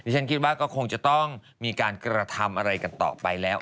ฉันคิดว่าก็คงจะต้องมีการกระทำอะไรกันต่อไปแล้ว